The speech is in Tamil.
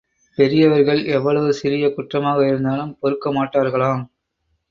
பெரியவர்கள் எவ்வளவு சிறிய குற்றமாக இருந்தாலும் பொறுக்கமாட்டார்களாம்.